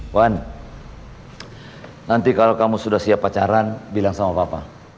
wan nanti kalau kamu sudah siap pacaran bilang sama papa